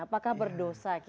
apakah berdosa kiyai